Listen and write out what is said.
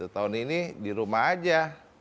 tahun ini di rumah aja